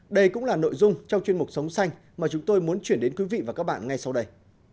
đây cũng là nội dung trong chuyên mục sống xanh mà chúng tôi muốn chuyển đến quý vị và các bạn ngay sau đây